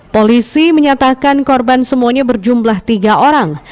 polisi menyatakan korban semuanya berjumlah tiga orang